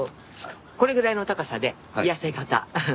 これぐらいの高さで痩せ形。